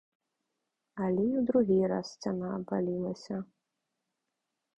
Але і ў другі раз сцяна абвалілася.